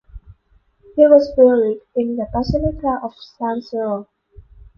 He was buried in the basilica of San Siro.